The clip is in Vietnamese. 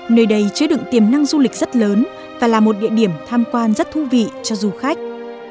nơi đây chứa đựng tiềm năng du lịch rất lớn và là một địa điểm tham quan rất thú vị cho du khách